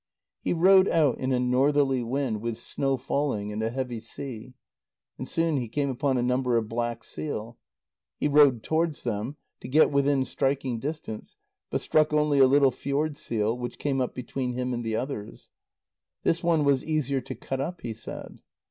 He rowed out in a northerly wind, with snow falling, and a heavy sea. And soon he came upon a number of black seal. He rowed towards them, to get within striking distance, but struck only a little fjord seal, which came up between him and the others. This one was easier to cut up, he said.